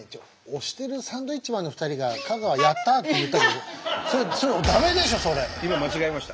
押してるサンドウィッチマンの２人が香川「やった！」って言ったけど今間違えました。